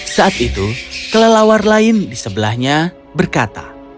saat itu kelelawar lain di sebelahnya berkata